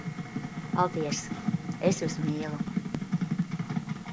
Paldies! Es jūs mīlu!